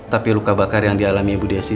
tapi luka bakar yang dialami ibu desi